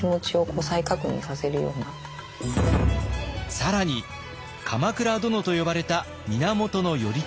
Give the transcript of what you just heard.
更に鎌倉殿と呼ばれた源頼朝。